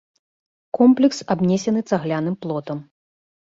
Комплекс абнесены цагляным плотам.